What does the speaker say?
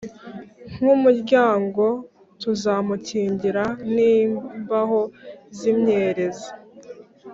nk umuryango Tuzamukingira n imbaho z imyerezi